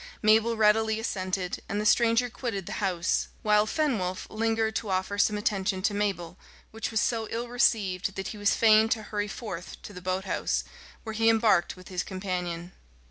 Mabel readily assented, and the stranger quitted the house, while Fenwolf lingered to offer some attention to Mabel, which was so ill received that he was fain to hurry forth to the boathouse, where he embarked with his companion.